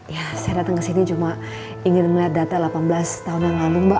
ya saya datang ke sini cuma ingin melihat data delapan belas tahun yang lalu mbak